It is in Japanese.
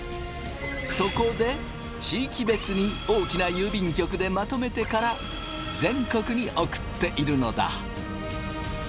そこで地域別に大きな郵便局でまとめてから全国に送っているのだ！